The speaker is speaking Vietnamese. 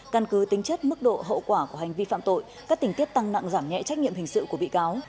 căn cứ tính chất mức độ hậu quả của hành vi phạm tội các tình tiết tăng nặng giảm nhẹ trách nhiệm hình sự của bị cáo